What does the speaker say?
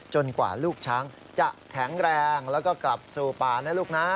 กว่าลูกช้างจะแข็งแรงแล้วก็กลับสู่ป่านะลูกนะ